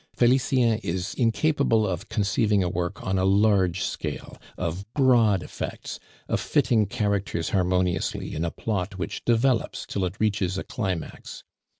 Felicien is incapable of conceiving a work on a large scale, of broad effects, of fitting characters harmoniously in a plot which develops till it reaches a climax.